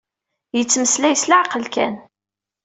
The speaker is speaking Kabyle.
Yettmeslay s leɛqel kan.